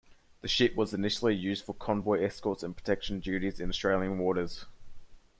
The ship was initially used for convoy escort and protection duties in Australian waters.